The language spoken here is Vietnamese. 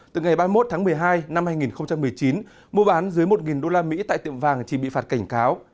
từ ngày ba mươi một tháng một mươi hai năm hai nghìn một mươi chín mua bán dưới một usd tại tiệm vàng chỉ bị phạt cảnh cáo